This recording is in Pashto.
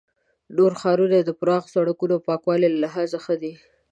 نور ښارونه یې د پراخو سړکونو او پاکوالي له لحاظه ښه دي.